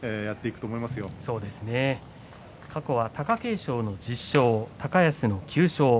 ここまで貴景勝の１０勝高安の９勝。